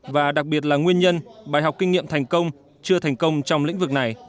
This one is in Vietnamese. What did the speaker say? và đặc biệt là nguyên nhân bài học kinh nghiệm thành công chưa thành công trong lĩnh vực này